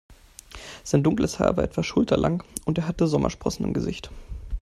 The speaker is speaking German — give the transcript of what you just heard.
Sein dunkles Haar war etwa schulterlang und er hatte Sommersprossen im Gesicht.